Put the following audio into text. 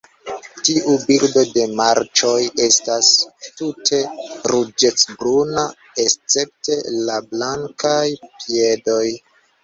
Tiu birdo de marĉoj estas tute ruĝecbruna, escepte la blankaj piedoj.